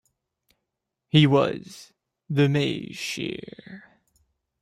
He was the Maze Shear.